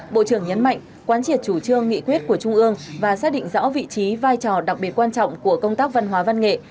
bộ trưởng nhấn mạnh quán triệt chủ trương nghị quyết của trung ương và xác định rõ vị trí vai trò đặc biệt quan trọng của công tác văn hóa văn nghệ